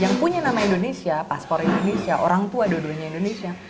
yang punya nama indonesia paspor indonesia orang tua dua duanya indonesia